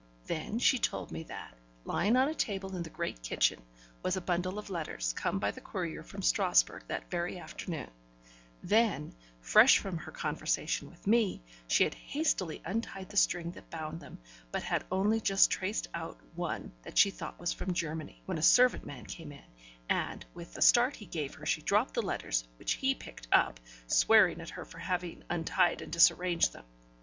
Then she told me that, lying on a table in the great kitchen, was a bundle of letters, come by the courier from Strasburg that very afternoon: then, fresh from her conversation with me, she had hastily untied the string that bound them, but had only just traced out one that she thought was from Germany, when a servant man came in, and, with the start he gave her, she dropped the letters, which he picked up, swearing at her for having untied and disarranged them.